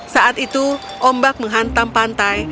saat itu ombak menghantam pantai